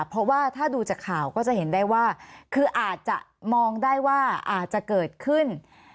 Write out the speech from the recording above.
เพราะว่าถ้าดูจากข่าวก็จะเห็นได้ว่าคืออาจจะมองได้ว่าอาจจะเกิดขึ้น